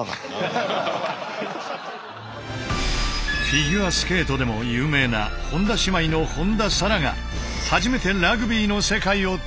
フィギュアスケートでも有名な本田姉妹の本田紗来が初めてラグビーの世界を体験。